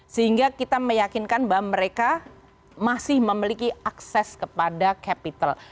sehingga kita meyakinkan bahwa mereka masih memiliki akses kepada capital